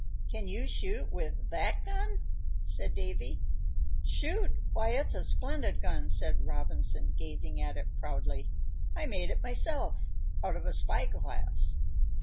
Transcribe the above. "Can you shoot with that gun?" said Davy. "Shoot! Why, it's a splendid gun!" said Robinson, gazing at it proudly. "I made it myself out of a spy glass."